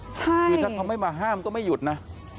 คือถ้าเขาไม่มาห้ามก็ไม่หยุดนะ